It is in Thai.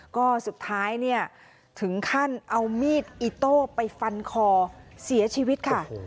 ก็สุดท้ายเนี่ยถึงขั้นเอามีดอิโต้ไปฟันคอเสียชีวิตค่ะ